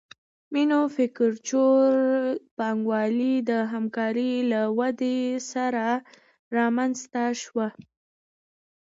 مینوفکچور پانګوالي د همکارۍ له ودې سره رامنځته شوه